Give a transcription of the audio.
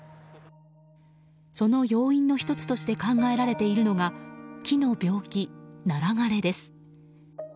その要因の１つとして考えられているのが木の病気、ナラ枯れです。